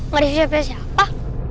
gak ada siapa siapa